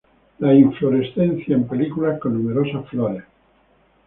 Las inflorescencias en panículas con numerosas flores.